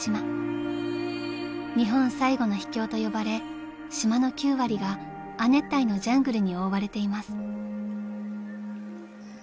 ［日本最後の秘境と呼ばれ島の９割が亜熱帯のジャングルに覆われています］